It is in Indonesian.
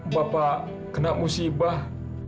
bapak kena musibah